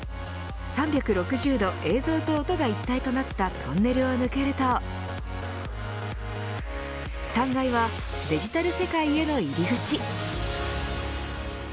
３６０度映像と音が一体となったトンネルを抜けると３階はデジタル世界への入り口。